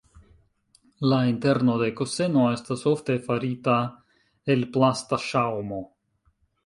La interno de kuseno estas ofte farita el plasta ŝaŭmo.